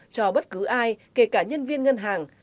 cho bất cứ ai kể cả nhân viên ngân hàng